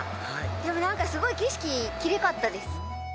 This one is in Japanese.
でもなんかすごい景色きれいかったです。